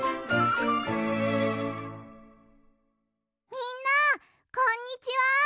みんなこんにちは！